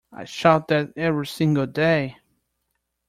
I shout that every single day!